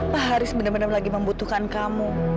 pak haris benar benar lagi membutuhkan kamu